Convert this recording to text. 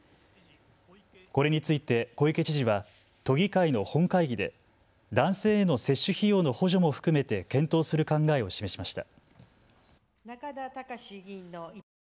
これについて小池知事は都議会の本会議で男性への接種費用の補助も含めて検討する考えを示しました。